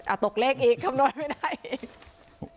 ตกเลขอีกคำนวณไม่ได้อีก